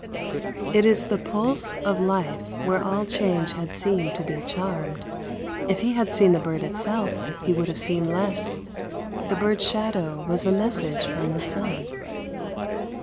It is the pulse of life, where all change had seemed to be charmed. If he had seen the bird itself he would have seen less the bird's shadow was a message from the sun.